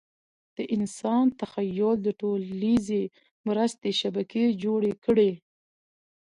د انسان تخیل د ټولیزې مرستې شبکې جوړې کړې.